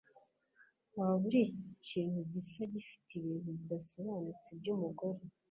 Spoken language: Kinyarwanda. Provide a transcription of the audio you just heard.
Waba uri ikintu gusa gifite ibintu bidasobanutse byumugore